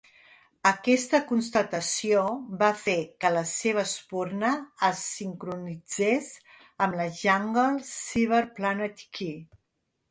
Aquesta constatació va fer que la seva espurna es sincronitzés amb la Jungle Cyber Planet Key.